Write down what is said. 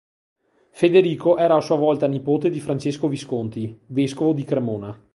Federico era a sua volta nipote di Francesco Visconti, vescovo di Cremona.